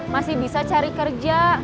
masih bisa cari kerja